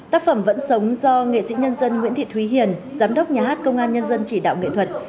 tác phẩm vẫn sống do nghệ sĩ nhân dân nguyễn thị thúy hiền giám đốc nhà hát công an nhân dân chỉ đạo nghệ thuật